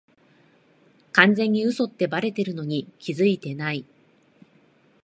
完全に嘘ってバレてるのに気づいてない